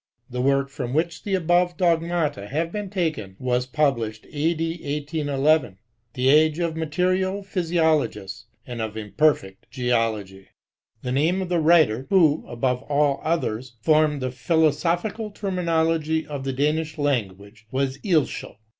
The work from which the above dogmata have been taken was published A.D. 1811 ; the age of material physiologists and of imperfect geology. The name of the writer who, above all others, formed the philosophical terminology of the Danish language, was Eilschow.